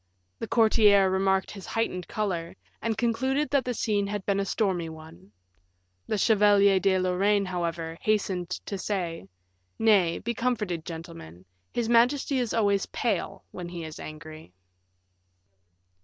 The courtiers remarked his heightened color, and concluded that the scene had been a stormy one. The Chevalier de Lorraine, however, hastened to say, "Nay, be comforted, gentlemen, his majesty is always pale when he is angry."